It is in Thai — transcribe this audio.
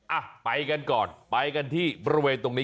อ่ะไปกันก่อนไปกันที่บริเวณตรงนี้